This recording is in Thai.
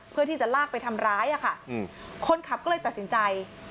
เพื่อที่จะลากไปทำร้ายอะค่ะคนขับก็เลยตัดสินใจ